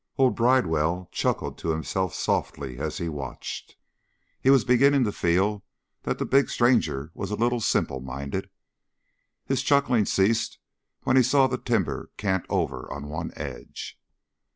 Old Bridewell chuckled to himself softly as he watched; he was beginning to feel that the big stranger was a little simple minded. His chuckling ceased when he saw the timber cant over on one edge.